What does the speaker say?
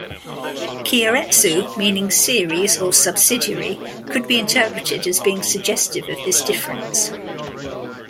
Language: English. Keiretsu, meaning "series" or "subsidiary", could be interpreted as being suggestive of this difference.